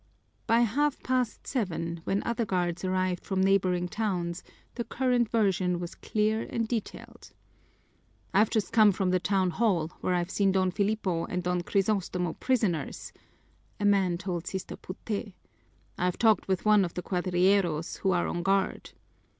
By half past seven, when other guards arrived from neighboring towns, the current version was clear and detailed. "I've just come from the town hall, where I've seen Don Filipo and Don Crisostomo prisoners," a man told Sister Puté. "I've talked with one of the cuadrilleros who are on guard.